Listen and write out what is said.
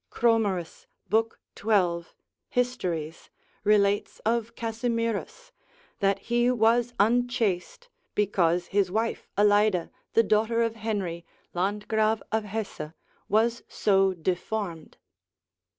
Cromerus lib. 12. hist., relates of Casimirus, that he was unchaste, because his wife Aleida, the daughter of Henry, Landgrave of Hesse, was so deformed.